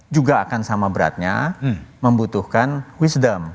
juga akan sama beratnya membutuhkan wisdom